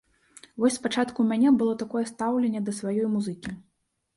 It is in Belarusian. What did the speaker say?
Вось спачатку ў мяне было такое стаўленне да сваёй музыкі.